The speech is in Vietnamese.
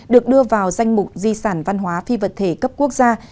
được đưa vào danh mục di sản văn hóa phi vật thể cấp quốc gia